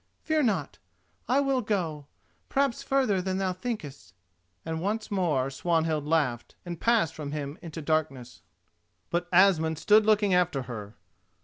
Fear not: I will go—perhaps further than thou thinkest," and once more Swanhild laughed, and passed from him into the darkness. But Asmund stood looking after her.